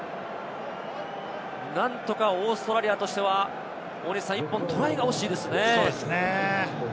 何とかオーストラリアとしては１本トライが欲しいですね。